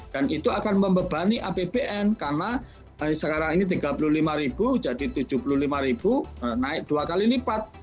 dan itu akan membebani apbn karena sekarang ini tiga puluh lima ribu jadi tujuh puluh lima ribu naik dua kali lipat